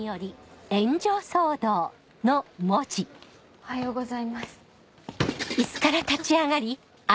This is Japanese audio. おはようございます。